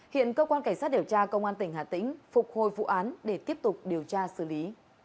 hiện cơ quan cảnh sát điều tra công an tỉnh hà tĩnh phục hồi vụ án để tiếp tục điều tra xử lý